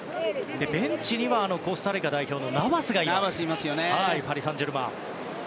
ベンチにはあのコスタリカ代表のナバスもいるパリ・サンジェルマン。